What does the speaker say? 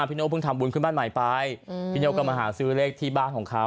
โน่เพิ่งทำบุญขึ้นบ้านใหม่ไปพี่โน่ก็มาหาซื้อเลขที่บ้านของเขา